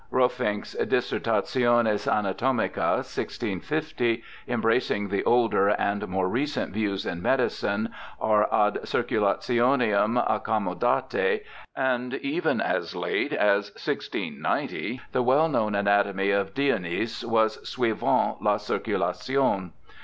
Rolfinck's Disserta tiones Anatoniicae, 1650, embracing the older and more recent views in medicine are ad circulationem accommo datae, and even as late as 1690 the well known anatomy of Dionis was suivant la circulation.